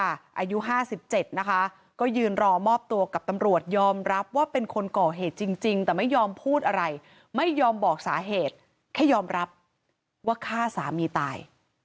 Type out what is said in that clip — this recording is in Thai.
อายุ๕๗นะคะก็ยืนรอมอบตัวกับตำรวจยอมรับว่าเป็นคนก่อเหตุจริงแต่ไม่ยอมพูดอะไรไม่ยอมบอกสาเหตุแค่ยอมรับว่าฆ่าสามีตาย